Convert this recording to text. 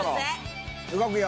動くよ。